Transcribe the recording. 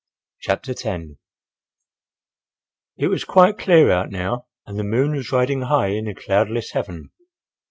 CHAPTER X It was quite clear out now and the moon was riding high in a cloudless heaven.